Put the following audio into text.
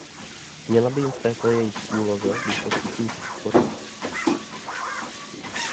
Měla by jim v této jejich úloze být poskytnuta podpora.